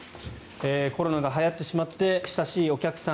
コロナがはやってしまって親しいお客さん